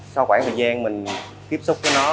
sau khoảng thời gian mình tiếp xúc với nó